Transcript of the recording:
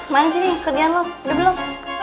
mana sih nih kerjaan lo udah belum